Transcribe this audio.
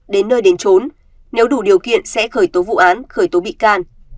đến nơi đến trốn nếu đủ điều kiện sẽ khởi tố vụ án khởi tố bị can